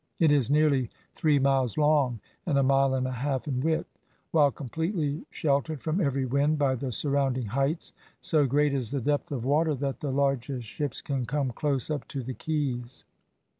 It is nearly three miles long, and a mile and a half in width. While completely sheltered from every wind by the surrounding heights, so great is the depth of water that the largest ships can come close up to the quays.